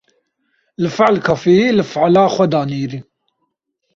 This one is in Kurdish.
Li Fal kafeyê li fala xwe da nêrîn.